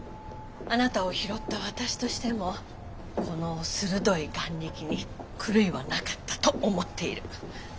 あなたを拾った私としてもこの鋭い眼力に狂いはなかったと思っている。